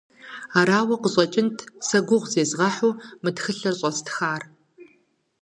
Арауэ къыщӏэкӏынт сэ гугъу зезгъэхьу мы тхылъыр щӏэстхар.